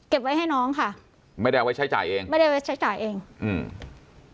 ไว้ให้น้องค่ะไม่ได้เอาไว้ใช้จ่ายเองไม่ได้ไว้ใช้จ่ายเองอืม